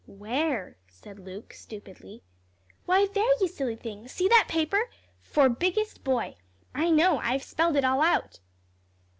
"Where?" said Luke, stupidly. "Why, there, you silly thing, see that paper! 'For Biggest Boy.' I know. I've spelled it all out."